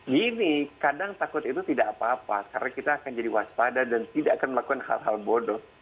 gini kadang takut itu tidak apa apa karena kita akan jadi waspada dan tidak akan melakukan hal hal bodoh